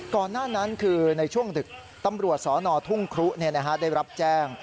ก่อนหน้านั้นคือในช่วงดึกตำรวจสนทุ่งครุได้รับแจ้ง